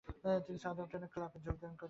তিনি সাউদাম্পটন ক্লাবে যোগ দেন।